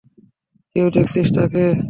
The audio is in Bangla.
কেউ দেখেছিস তাকে?